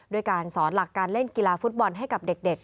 ด้วยการสอนหลักการเล่นกีฬาฟุตบอลให้กับเด็ก